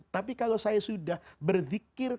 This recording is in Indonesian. tapi kalau saya sudah berzikir